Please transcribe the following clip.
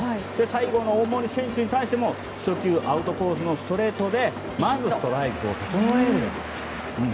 最後の大盛選手に対しても初球、アウトコースのストレートでまずストライクを整える。